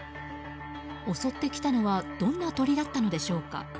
襲ってきたのはどんな鳥だったのでしょうか。